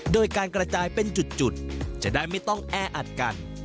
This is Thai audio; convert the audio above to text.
โดยการกระจายเป็นจุดจะได้ไม่ต้องแออัดกัน